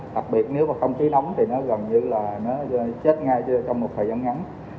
đặc biệt nếu không khí nóng thì nó gần như chết ngay trong một thời gian ngắn